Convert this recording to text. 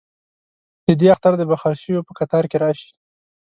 ددې اختر دبخښل شووپه کتار کې راشي